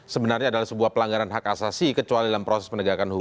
sebenarnya adalah sebuah pelanggaran hak asasi kecuali dalam proses penegakan hukum